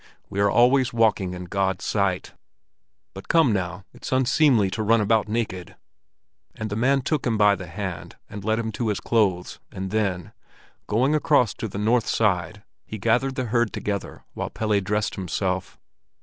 We are always walking in God's sight. But come now, it's unseemly to run about naked!" And the man took him by the hand and led him to his clothes, and then, going across to the north side, he gathered the herd together while Pelle dressed himself.